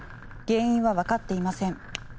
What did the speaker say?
原因はわかっていません。